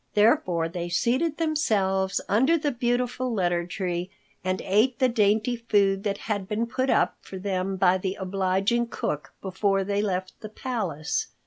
Therefore they seated themselves under the beautiful letter tree and ate the dainty food that had been put up for them by the obliging cook before they left the palace.